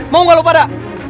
mau gak lo pada